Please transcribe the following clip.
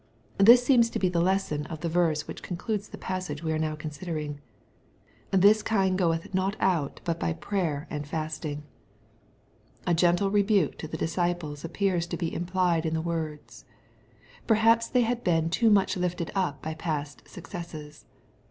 This seems to be the lesson of the verse which concludes the passage we are now considering :" This kind goeth not out but by prayer and fasting." A MATTHEW, CHAP. XVII. 213 gentle rebuke to the disciples appears to bo im].lied in the words. Perhaps they had been too much lifted up by past successes.